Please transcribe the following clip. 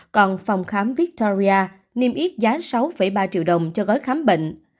còn phòng khám victoria niêm yết giá sáu ba triệu đồng cho gói khám bệnh